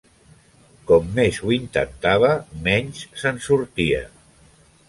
Com més ho intentava, menys se'n sortia.